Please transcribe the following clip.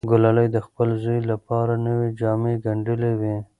ګلالۍ د خپل زوی لپاره نوې جامې ګنډلې وې.